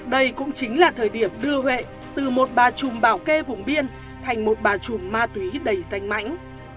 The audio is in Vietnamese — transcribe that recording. đây cũng chính là thời điểm đưa huệ từ một bà trùm bảo kê vùng biên thành một bà chùm ma túy đầy danh mãnh